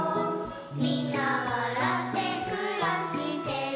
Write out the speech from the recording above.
「みんなわらってくらしてる」